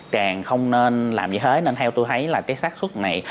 càng không nên làm như thế nên theo tôi thấy là cái sát xuất này